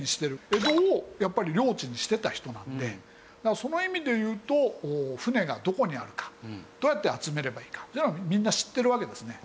江戸をやっぱり領地にしていた人なのでその意味で言うと舟がどこにあるかどうやって集めればいいかそういうのはみんな知ってるわけですね。